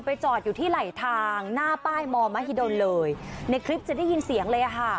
จอดอยู่ที่ไหลทางหน้าป้ายมอมมหิดลเลยในคลิปจะได้ยินเสียงเลยอ่ะค่ะ